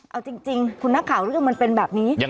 เอาจริงคุณนักข่าวเรื่องมันเป็นแบบนี้